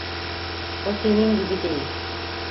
O senin gibi değil.